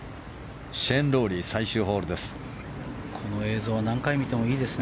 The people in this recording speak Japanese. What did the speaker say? シェーン・ロウリー最終ホールです。